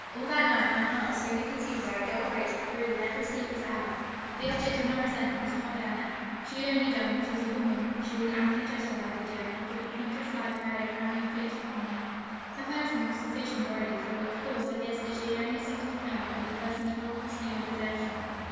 All that night my heart was slowly consumed by a dull rage that grew with every sleepless hour; but the object of my resentment was not Diana. She had only done what as a woman she was amply justified in doing after the pointed slight I had apparently inflicted upon her. Her punishment was sufficient already, for, of course, I guessed that she had only accepted the Colonel under the first intolerable sting of desertion.